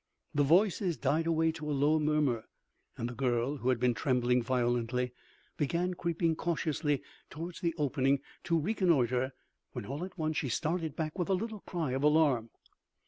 The voices died away to a low murmur and the girl who had been trembling violently, began creeping cautiously toward the opening to reconnoitre when all at once she started back with a little cry of alarm.